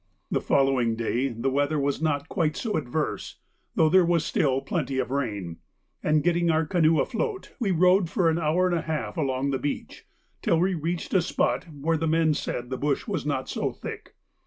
The following day the weather was not quite so adverse, though there was still plenty of rain, and getting our canoe afloat we rowed for an hour and a half along the beach, till we reached a spot where the men said the bush was not so thick.